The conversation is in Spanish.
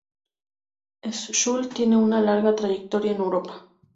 Schulz tiene una larga trayectoria en Europa.